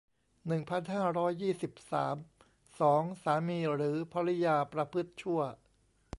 หนึ่งพันห้าร้อยยี่สิบสาม สอง สามีหรือภริยาประพฤติชั่ว